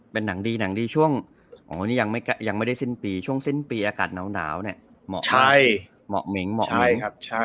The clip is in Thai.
เป็นหนังดีหนังดีช่วงวันนี้ยังไม่ได้สิ้นปีช่วงสิ้นปีอากาศหนาวเนี่ยเหมาะใช่เหมาะเหม็งเหมาะไหม